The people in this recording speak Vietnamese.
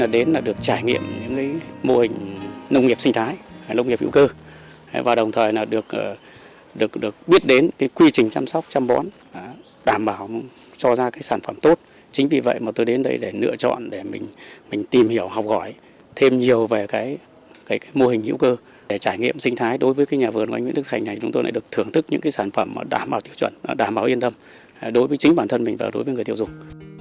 để trải nghiệm sinh thái đối với nhà vườn của anh nguyễn đức thành này chúng tôi lại được thưởng thức những sản phẩm đảm bảo tiêu chuẩn đảm bảo yên tâm đối với chính bản thân mình và đối với người tiêu dùng